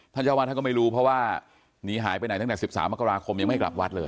เจ้าวาดท่านก็ไม่รู้เพราะว่าหนีหายไปไหนตั้งแต่๑๓มกราคมยังไม่กลับวัดเลย